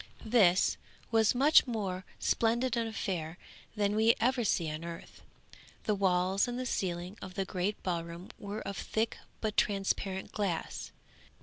This was a much more splendid affair than we ever see on earth. The walls and the ceiling of the great ballroom were of thick but transparent glass.